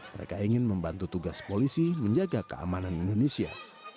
mereka ingin membantu tugas polisi menjaga keamanan indonesia